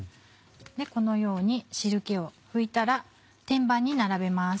このように汁気を拭いたら天板に並べます。